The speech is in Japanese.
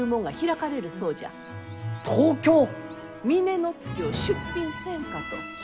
峰乃月を出品せんかと。